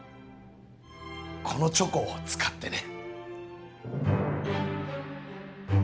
このチョコを使ってね。